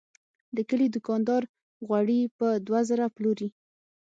د کلي دوکاندار غوړي په دوه زره پلوري.